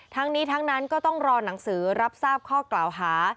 ทั้งนี้ทั้งนั้นก็ต้องรอหนังสือรับทราบข้อกล่าวหา